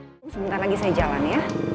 sampai jumpa di video selanjutnya